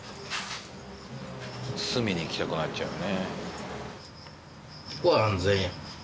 隅に行きたくなっちゃうよね。